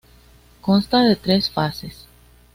Consta de tres fases.